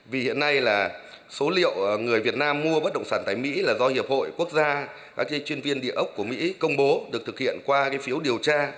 vì hiện nay là số liệu người việt nam mua bất động sản tại mỹ là do hiệp hội quốc gia các chuyên viên địa ốc của mỹ công bố được thực hiện qua phiếu điều tra